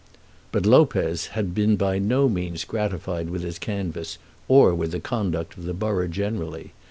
But Lopez had been by no means gratified with his canvass or with the conduct of the borough generally.